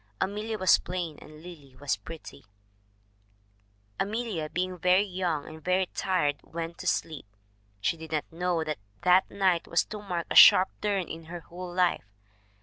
Amelia was plain and Lily was pretty: "Amelia, being very young and very tired, went to sleep. She did not know that that night was to mark a sharp turn in her whole life.